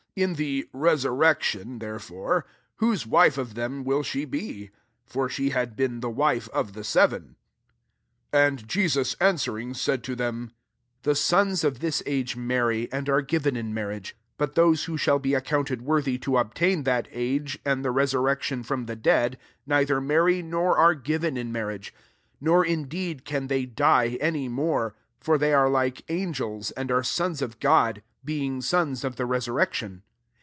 33 In the resurrection, therefore, whose wife of them will she be ? for she had been the wife of the seven." 34 And Jesus answering, said to them, '* The sons of this age marry, and are given in marriage : 35 but those who shall be accounted worthy to obtain that age, and the resur rection from the dead, neither marry, nor are given in mar riage 2 36 nor indeed can they die any more : for they are like angels, and are sons of God, being sons of the resurrection.